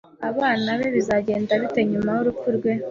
Abana be bizagenda bite nyuma y'urupfu rwe?